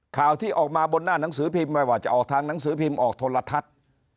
ข่าวที่ออกมาบนหน้าหนังสือพิมพ์ไม่ว่าจะออกทางหนังสือพิมพ์ออกโทรทัศน์